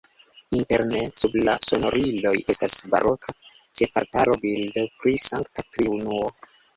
Interne sub la sonoriloj estas baroka ĉefaltara bildo pri Sankta Triunuo.